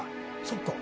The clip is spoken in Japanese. そっか。